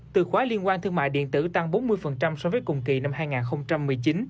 từ khóa liên quan thương mại điện tử tăng bốn mươi so với cùng kỳ năm hai nghìn một mươi chín